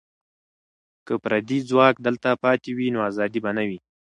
که پردي ځواک دلته پاتې وي، نو ازادي به نه وي.